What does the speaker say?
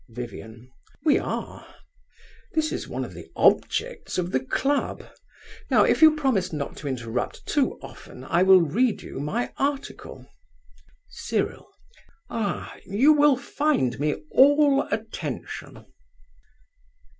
VIVIAN. We are. This is one of the objects of the club. Now, if you promise not to interrupt too often, I will read you my article. CYRIL. You will find me all attention.